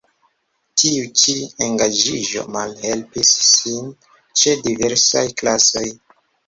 Tiu ĉi engaĝiĝo malhelpis ŝin ĉe diversaj klasoj.